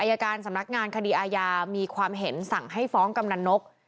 อายการสำนักงานคดีอาญามีความเห็นสั่งให้ฟ้องกำนันนก